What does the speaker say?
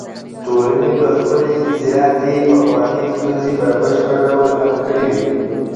ټولني به خپلې زياتي پخوانۍ ستونزې په بشپړ ډول حل کړې وي.